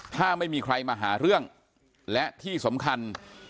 ถ้าไม่มีใครมาหาเรื่องและที่สำคัญ